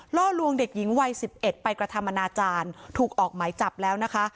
ล่อลวงเด็กหญิงวัย๑๑ไปกระทำอนาจารย์ถูกออกหมายจับแล้วนะคะ